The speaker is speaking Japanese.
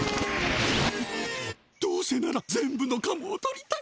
どうせなら全部のカモをトりたい！